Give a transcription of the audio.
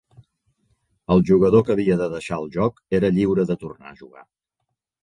El jugador que havia de deixar el joc era lliure de tornar a jugar.